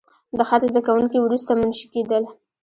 د خط زده کوونکي وروسته منشي کېدل.